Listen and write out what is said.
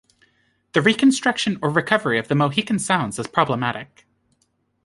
The reconstruction or recovery of the mochican sounds is problematic.